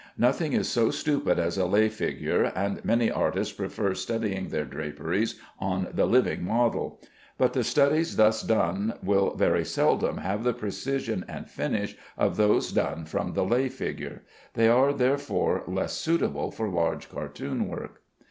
Nothing is so stupid as a lay figure, and many artists prefer studying their draperies on the living model; but the studies thus done will very seldom have the precision and finish of those done from the lay figure. They are, therefore, less suitable for large cartoon work.